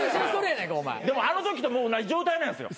でもあのときともう同じ状態なんですよ。